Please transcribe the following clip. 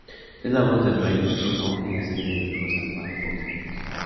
Es la voz del Rey Neptuno en la serie de dibujos animados "Bob Esponja".